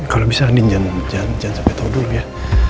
kalau bisa andien jangan sampai tau dulu ya